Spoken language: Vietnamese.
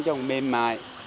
cho mềm mại